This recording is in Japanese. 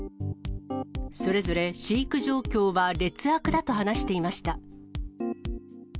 それぞれ飼育状況は劣悪だと話していました。